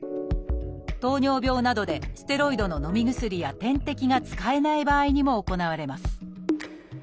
糖尿病などでステロイドののみ薬や点滴が使えない場合にも行われます